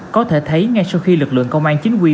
có thể thấy ngay sau khi lực lượng công an chính quy